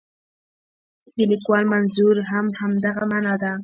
د لیکوال منظور هم همدغه معنا ده.